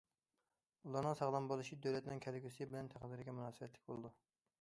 ئۇلارنىڭ ساغلام بولۇشى دۆلەتنىڭ كەلگۈسى بىلەن تەقدىرىگە مۇناسىۋەتلىك بولىدۇ.